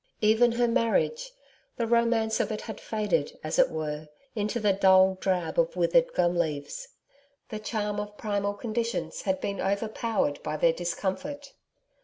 Even her marriage! The romance of it had faded, as it were, into the dull drab of withered gum leaves. The charm of primal conditions had been overpowered by their discomfort.